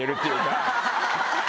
ハハハハ！